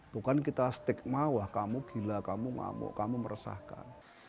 bukan kita stigma wah kamu gila kamu ngamuk kamu meresahkan